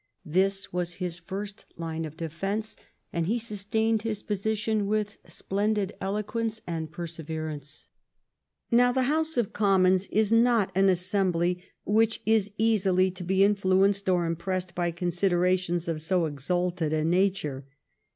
This was his first line of defence, and he sustained his position with splendid eloquence and perseverance. Now, the House of Commons is not an assem bly which is easily to be influenced or impressed by considerations of so exalted a nature.